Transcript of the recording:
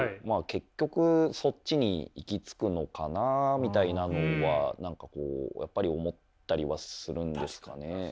結局そっちに行き着くのかなあみたいなのはやっぱり思ったりはするんですかね。